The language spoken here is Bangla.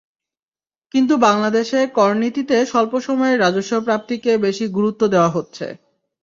কিন্তু বাংলাদেশে করনীতিতে স্বল্প সময়ের রাজস্ব প্রাপ্তিকে বেশি গুরুত্ব দেওয়া হচ্ছে।